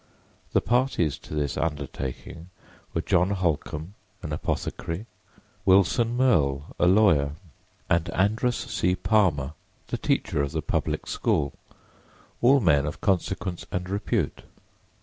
The parties to this undertaking were John Holcomb, an apothecary; Wilson Merle, a lawyer, and Andrus C. Palmer, the teacher of the public school, all men of consequence and repute.